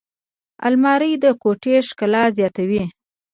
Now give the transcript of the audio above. الماري د کوټې ښکلا زیاتوي